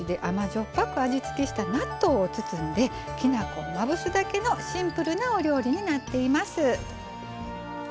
っぱく味付けした納豆を包んできな粉をまぶすだけのシンプルなお料理になっています。